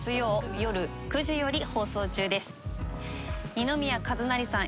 二宮和也さん